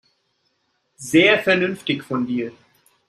Sehr vernünftig von dir.